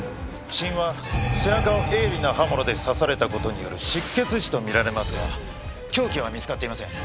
死因は背中を鋭利な刃物で刺された事による失血死とみられますが凶器は見つかっていません。